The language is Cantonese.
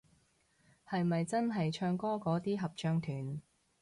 係咪真係唱歌嗰啲合唱團